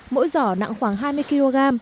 mỗi giỏ nặng khoảng hai mươi kg